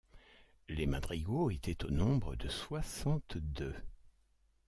Les madrigaux étaient au nombre de soixante-deux.